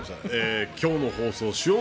今日の放送主音